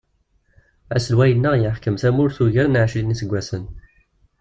Aselway-nneɣ yeḥkem tamurt ugar n ɛecrin iseggasen.